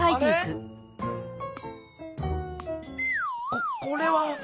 ここれは。